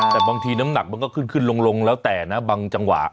แต่บางทีน้ำหนักมันก็ขึ้นขึ้นลงแล้วแต่นะบางจังหวะ